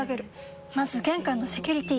まず玄関のセキュリティ！